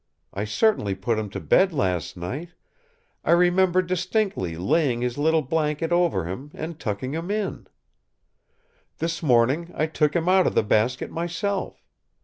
I certainly put him to bed last night; I remember distinctly laying his little blanket over him, and tucking him in. This morning I took him out of the basket myself.